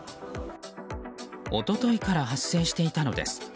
一昨日から発生していたのです。